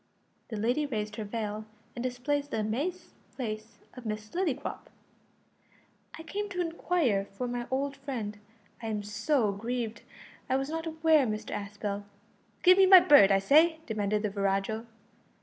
The lady raised her veil, and displayed the amazed face of Miss Lillycrop. "I came to inquire for my old friend I'm so grieved; I was not aware Mr Aspel " "Give me my bird, I say!" demanded the virago.